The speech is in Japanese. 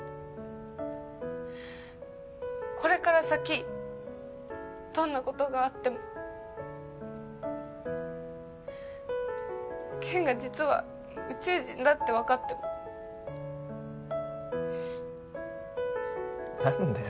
これから先どんなことがあっても健が実は宇宙人だって分かっても何だよ